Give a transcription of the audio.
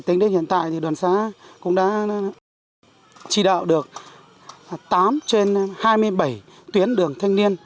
tính đến hiện tại thì đoàn xã cũng đã chỉ đạo được tám trên hai mươi bảy tuyến đường thanh niên